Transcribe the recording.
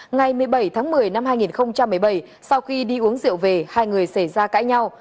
ngày một mươi bảy tháng một mươi năm hai nghìn một mươi bảy sau khi đi uống rượu về hai người xảy ra cãi nhau